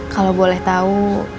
kalau boleh tahu